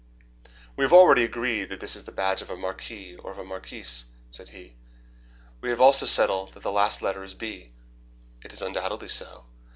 "We have already agreed that this is the badge of a marquis or of a marquise," said he. "We have also settled that the last letter is B." "It is undoubtedly so."